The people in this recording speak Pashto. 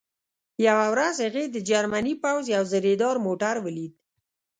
یوه ورځ هغې د جرمني پوځ یو زرهدار موټر ولید